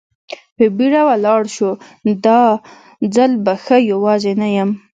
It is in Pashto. په بېړه ولاړ شو، خو دا ځل به زه یوازې نه یم.